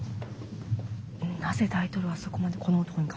なぜ大統領はそこまでこの男に肩入れを？